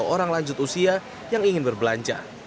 sepuluh orang lanjut usia yang ingin berbelanja